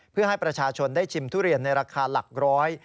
เพื่อให้ประชาชนได้ชิมทุเรียนในราคาหลักร้อย